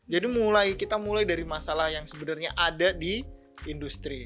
jadi kita mulai dari masalah yang sebenernya ada di industri